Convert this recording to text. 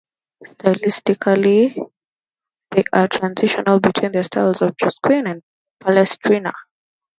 Stylistically they are transitional between the styles of Josquin and Palestrina.